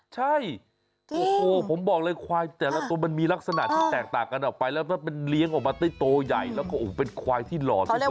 ใช่ฮูผมบอกเลยควายแต่ละมีลักษณะแตกต่ากันออกไปแล้วเลี้ยงไว้ที่โตใหญ่แล้วก็โอ้โหเป็นควายที่หล่อที่เต็ม